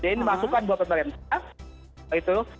ini masukan buat pemerintah